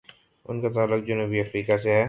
ان کا تعلق جنوبی افریقہ سے ہے۔